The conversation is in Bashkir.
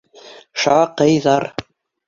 Шаҡыйҙар.